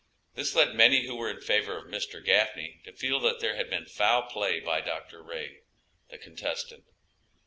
This led many who were in favor of Mr. Gafney to feel that there had been foul play by Dr. Ray, the contestant.